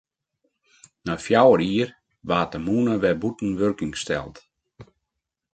Nei fjouwer jier waard de mûne wer bûten wurking steld.